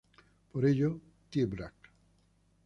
Por ello tie-break.